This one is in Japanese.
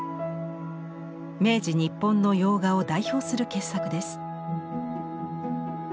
明治日本の洋画を代表する傑作です。